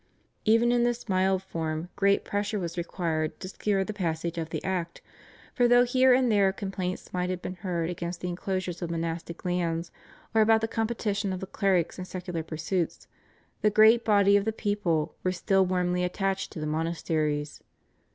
Even in this mild form great pressure was required to secure the passage of the Act, for though here and there complaints might have been heard against the enclosures of monastic lands or about the competition of the clerics in secular pursuits, the great body of the people were still warmly attached to the monasteries.